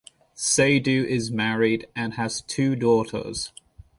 Seydoux is married and has two daughters.